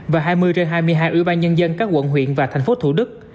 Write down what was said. và hai mươi trên hai mươi hai ủy ban nhân dân các quận huyện và thành phố thủ đức